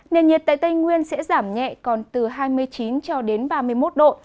nền nhiệt tại tây nguyên sẽ giảm nhẹ còn từ hai mươi chín cho đến ba mươi một độ